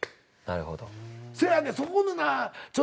なるほど。